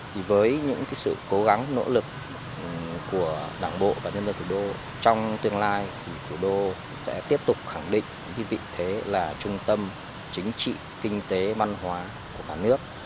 thì với những sự cố gắng nỗ lực của đảng bộ và nhân dân thủ đô trong tương lai thì thủ đô sẽ tiếp tục khẳng định những vị thế là trung tâm chính trị kinh tế văn hóa của cả nước